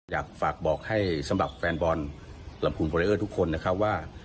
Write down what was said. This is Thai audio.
อยากฝากบอกให้สำหรับแฟนบอลลำพูนฟอเรอร์ทุกคนนะครับว่า